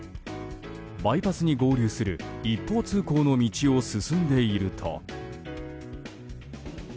バイパスに合流する一方通行の道を進んでいると。